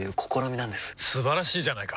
素晴らしいじゃないか！